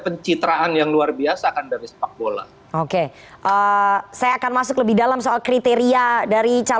pencitraan yang luar biasa kan dari sepak bola oke saya akan masuk lebih dalam soal kriteria dari